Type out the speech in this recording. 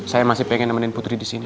saya masih pengen nemenin putri disini